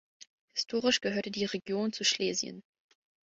Historisch gehörte die Region zu Schlesien.